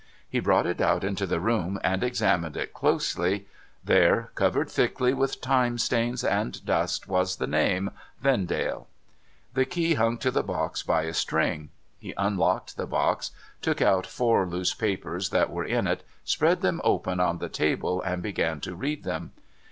He brought it out into the room, and examined it closely. There, covered thickly with time stains and dust, was the name : 'Vendale.' The key hung to the box by a string. He unlocked the box, took out four loose papers that were in it, spread them open on the table, and began to read them.